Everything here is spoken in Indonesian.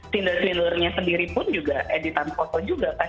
tinder tinder nya sendiri pun juga editan sosok juga kan